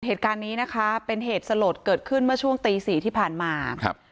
เหตุการณ์นี้นะคะเป็นเหตุสลดเกิดขึ้นเมื่อช่วงตีสี่ที่ผ่านมาครับ